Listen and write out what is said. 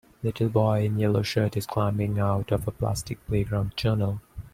Little boy in yellow shirt is climbing out of a plastic playground tunnel.